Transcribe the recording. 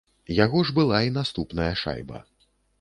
Яго ж была і наступная шайба.